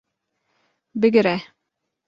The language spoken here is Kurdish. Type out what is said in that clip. Bigire